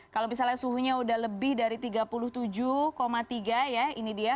kalau misalnya suhunya sudah lebih dari tiga puluh tujuh tiga ya ini dia